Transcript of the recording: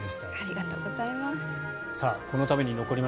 ありがとうございます。